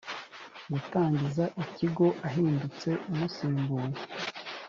gutangiza ikigo ahindutse umusimbuye